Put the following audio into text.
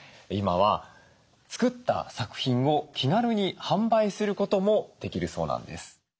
今は作った作品を気軽に販売することもできるそうなんです。